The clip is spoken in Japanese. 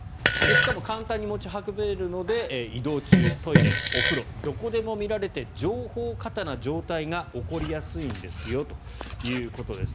しかも簡単に持ち運べるので移動中、トイレ、お風呂どこでも見られて情報過多な状態が起こりやすいんですよということです。